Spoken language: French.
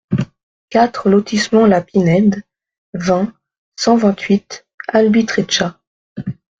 quatre lotissement La Pinède, vingt, cent vingt-huit, Albitreccia